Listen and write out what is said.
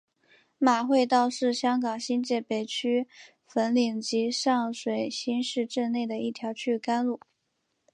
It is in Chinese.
马会道是香港新界北区粉岭及上水新市镇内的一条区域干路。